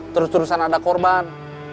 terus terusan ada korban